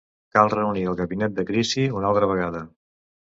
Cal reunir el gabinet de crisi una altra vegada.